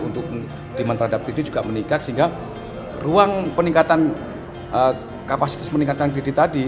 untuk demand terhadap kredit juga meningkat sehingga ruang peningkatan kapasitas meningkatkan kredit tadi